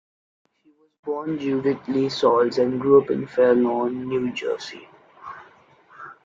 She was born Judith Lee Sauls and grew up in Fair Lawn, New Jersey.